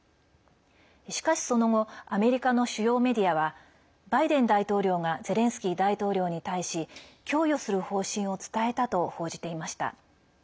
しかし、その後アメリカの主要メディアはバイデン大統領がゼレンスキー大統領に対し供与する方針を伝えたと報じていました。